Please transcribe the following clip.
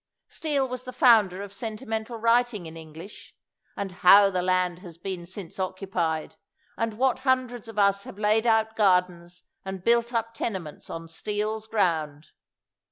Steele was 208 THACKERAY the founder of sentimental writing in English, and how the land has been since occupied, and what hundreds of us have laid out gardens and built up tenements on Steele's ground!